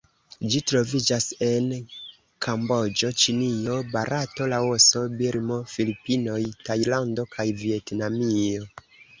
Ĝi troviĝas en Kamboĝo, Ĉinio, Barato, Laoso, Birmo, Filipinoj, Tajlando kaj Vjetnamio.